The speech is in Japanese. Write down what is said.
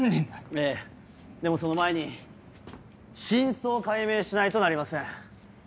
ええでもその前に真相を解明しないとなりません。